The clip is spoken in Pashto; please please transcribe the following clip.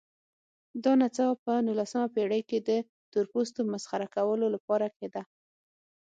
دا نڅا په نولسمه پېړۍ کې د تورپوستو مسخره کولو لپاره کېده.